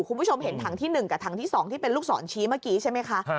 คุณผู้ชมเห็นถังที่๑กับถังที่๒ที่เป็นลูกศรชี้เมื่อกี้ใช่ไหมคะ